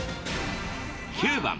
９番。